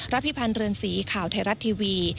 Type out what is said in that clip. พิพันธ์เรือนสีข่าวไทยรัฐทีวี